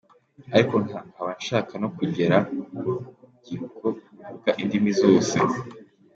Ariko nkaba nshaka no kugera ku rubyiruko ruvuga indimi zose.